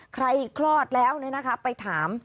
คลอดแล้วไปถาม